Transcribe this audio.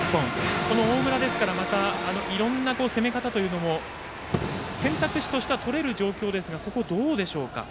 この大村ですからまたいろんな攻め方も選択肢としてはとれる状況ですがここはどうでしょうか？